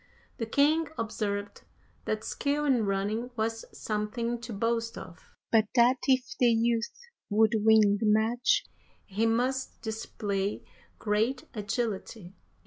The king observed that skill in running was something to boast of, but that if the youth would win the match he must display great agility.